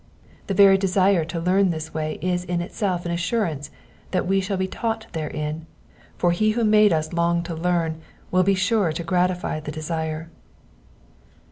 The very desire to learn this way IS in itself an assurance that we shall be taught therein, for he who made us long to learn will be sure to gratify the desire.